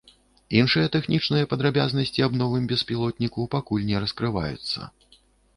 Іншыя тэхнічныя падрабязнасці аб новым беспілотніку пакуль не раскрываюцца.